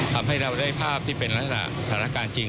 ทำให้เราได้ภาพที่เป็นลักษณะสถานการณ์จริง